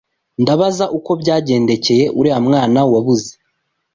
Ndabaza uko byagendekeye uriya mwana wabuze.